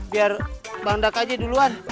biar bang dak aja duluan